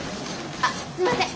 あっすいません。